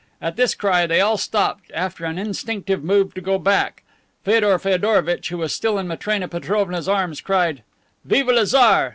At this cry, they all stopped, after an instinctive move to go back. Feodor Feodorovitch, who was still in Matrena Petrovna's arms, cried: "Vive le Tsar!"